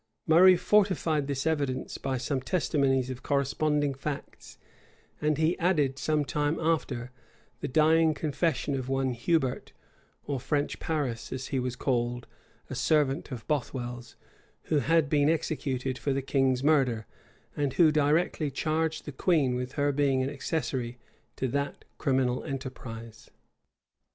[*] Murray fortified this evidence by some testimonies of corresponding facts;[] and he added, some time after, the dying confession of one Hubert, or French Paris, as he was called, a servant of Bothwell's, who had been executed for the king's murder, and who directly charged the queen with her being accessory to that criminal enterprise.